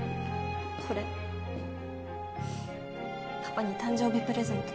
これパパに誕生日プレゼント。